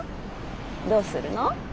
どうするの？